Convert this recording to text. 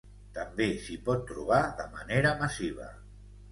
També s'hi pot trobar de manera massiva.